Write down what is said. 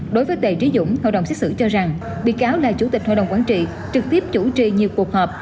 đối với đầy trí dũng hội đồng xét xử cho rằng bị cáo là chủ tịch hội đồng quán trị trực tiếp chủ trì nhiều cuộc họp